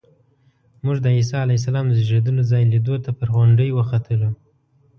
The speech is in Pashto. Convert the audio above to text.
موږ د عیسی علیه السلام د زېږېدلو ځای لیدو ته پر غونډۍ وختلو.